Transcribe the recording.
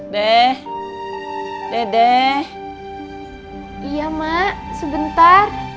beeh beh ia ma sebentar